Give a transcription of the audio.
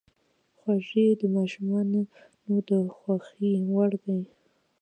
خوږې د ماشومانو د خوښې وړ دي.